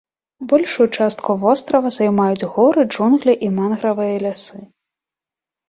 Большую частку вострава займаюць горы, джунглі і мангравыя лясы.